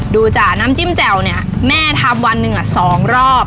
ดูจ่ะน้ำจิ้มแจ่วเนี้ยแม่ทำวันหนึ่งอ่ะสองรอบ